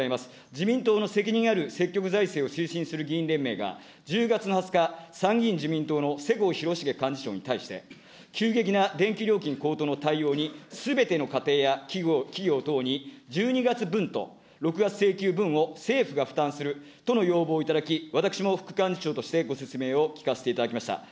自民党の責任ある積極財政を推進する議員連盟が、１０月の２０日、参議院自民党の世耕弘成幹事長に対して、急激な電気料金高騰の対応に、すべての家庭や企業等に１２月分と６月請求分を政府が負担するとの要望をいただき、私も副幹事長として、ご説明を聞かせていただきました。